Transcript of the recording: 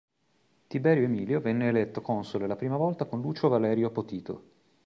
Tiberio Emilio venne eletto console la prima volta con Lucio Valerio Potito.